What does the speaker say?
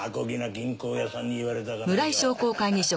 銀行屋さんに言われたかないよ。